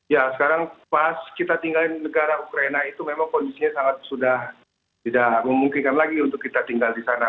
ya sekarang pas kita tinggal di negara ukraina itu memang kondisinya sangat sudah tidak memungkinkan lagi untuk kita tinggal di sana